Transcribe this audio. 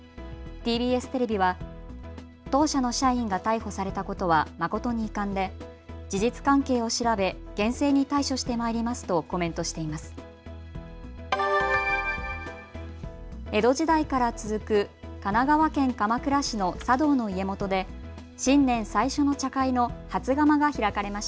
ＴＢＳテレビは当社の社員が逮捕されたことは誠に遺憾で事実関係を調べ厳正に対処してまいりますとコメントしています。